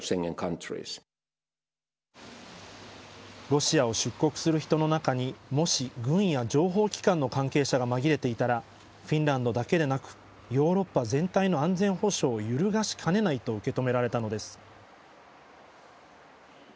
ロシアを出国する人の中にもし、軍や情報機関の関係者が紛れていたらフィンランドだけでなくヨーロッパ全体の安全保障を揺るがしかねないと受け止められたのです。